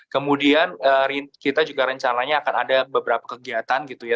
kemudian kita juga rencananya akan ada beberapa kegiatan gitu ya